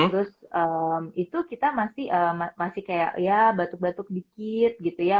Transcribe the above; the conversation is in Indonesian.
terus itu kita masih kayak ya batuk batuk dikit gitu ya